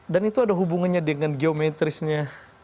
dan itu ada hubungannya dengan geometrisnya